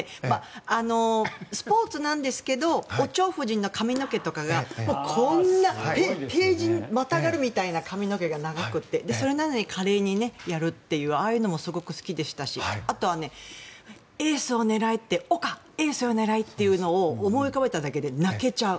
スポーツなんですがお蝶夫人の髪の毛とかがこんなページにまたがるみたいに髪の毛が長くてそれなのに華麗にやるってああいうのもすごく好きでしたしあとは「エースをねらえ！」って岡、「エースをねらえ！」というのを思い浮かべただけで泣けちゃう。